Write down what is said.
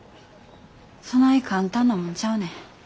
そない簡単なもんちゃうねん。